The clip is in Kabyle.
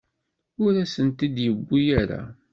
Ur asen-t-id-yewwi ara.